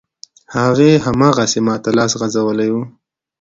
هغې، هماغسې ماته لاس غځولی و.